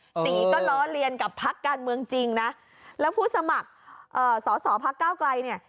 ตีก็ล้อเลียนกับพักการเมืองจริงนะแล้วผู้สมัครเอ่อสอสอพักเก้าไกลเนี่ย